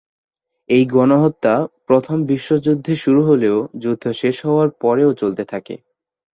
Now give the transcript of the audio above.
এই গণহত্যা প্রথম বিশ্বযুদ্ধে শুরু হলেও যুদ্ধ শেষ হওয়ার পরেও চলতে থাকে।